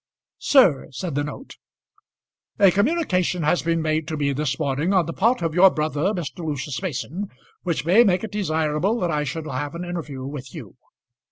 "SIR," said the note, A communication has been made to me this morning on the part of your brother, Mr. Lucius Mason, which may make it desirable that I should have an interview with you.